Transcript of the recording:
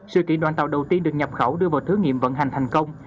sự kiện đoàn tàu đầu tiên được nhập khẩu đưa vào thử nghiệm vận hành thành công